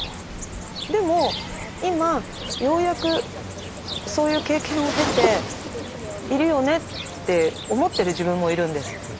でも今ようやくそういう経験を経ているよねって思ってる自分もいるんです。